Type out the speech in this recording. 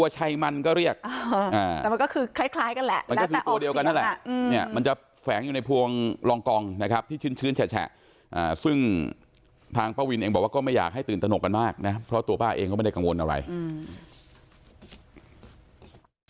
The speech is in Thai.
ที่ชื้นชื้นแชะแชะอ่าซึ่งทางป้าวินเองบอกว่าก็ไม่อยากให้ตื่นตระหนกกันมากนะเพราะตัวป้าเองก็ไม่ได้กังวลอะไรอืม